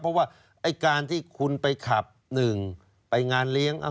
เพราะว่าไอ้การที่คุณไปขับหนึ่งไปงานเลี้ยง